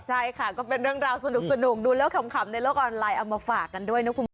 ใช่ค่ะก็เป็นเรื่องราวสนุกดูแล้วขำในโลกออนไลน์เอามาฝากกันด้วยนะคุณผู้ชม